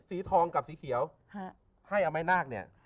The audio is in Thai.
สีทองกับสีเขียวให้เอาไม้นาคเนี่ย